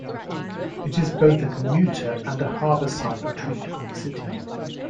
It is both a commuter and a harbourside retreat from the city.